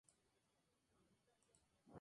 Finalmente los dos mueren mártires.